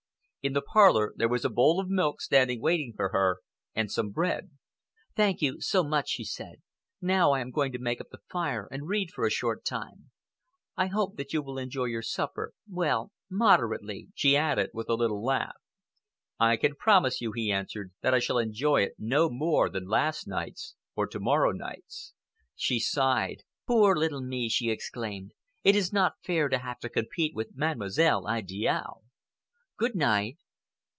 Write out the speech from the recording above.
In the parlor there was a bowl of milk standing waiting for her, and some bread. "Thank you so much," she said. "Now I am going to make up the fire and read for a short time. I hope that you will enjoy your supper—well, moderately," she added, with a little laugh. "I can promise you," he answered, "that I shall enjoy it no more than last night's or to morrow night's." She sighed. "Poor little me!" she exclaimed. "It is not fair to have to compete with Mademoiselle Idiale. Good night!"